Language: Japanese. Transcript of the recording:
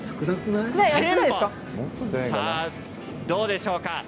どうでしょうか？